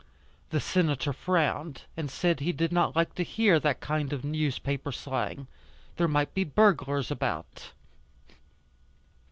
The Senator frowned, and said he did not like to hear that kind of newspaper slang. There might be burglars about.